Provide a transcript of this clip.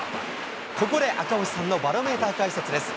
ここで赤星さんのバロメーター解説です。